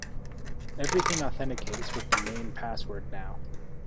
Everything authenticates with the main password now.